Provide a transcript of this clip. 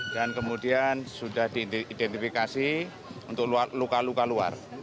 dan kemudian sudah diidentifikasi untuk luka luka luar